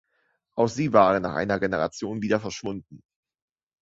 Auch sie waren nach einer Generation wieder verschwunden.